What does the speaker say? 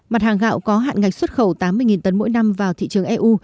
mặt hàng gạo có hạn ngạch xuất khẩu tám mươi tấn mỗi năm vào thị trường eu